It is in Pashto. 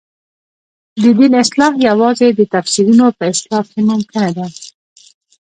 د دین اصلاح یوازې د تفسیرونو په اصلاح کې ممکنه ده.